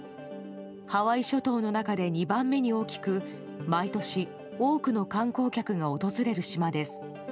ハワイ諸島の中で２番目に大きく毎年多くの観光客が訪れる島です。